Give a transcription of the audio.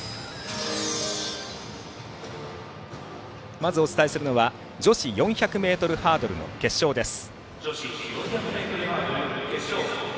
まずお伝えするのは女子４００ｍハードルの決勝です。